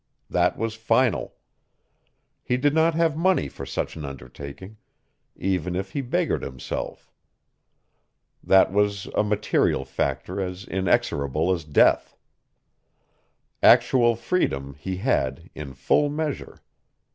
That was final. He did not have money for such an undertaking, even if he beggared himself. That was a material factor as inexorable as death. Actual freedom he had in full measure.